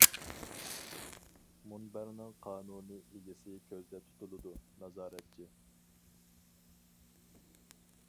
مۇنبەرنىڭ قانۇنىي ئىگىسى كۆزدە تۇتۇلىدۇ. نازارەتچى.